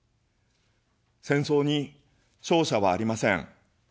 戦争に勝者はありません。